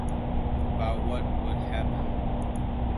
About what would happen.